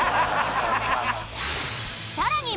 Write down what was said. ［さらに］